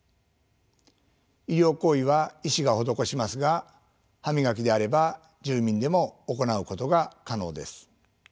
医療行為は医師が施しますが歯磨きであれば住民でも行うことが可能です。